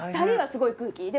２人はすごい空気。